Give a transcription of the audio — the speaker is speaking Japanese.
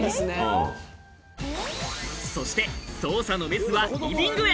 そして捜査のメスはリビングへ。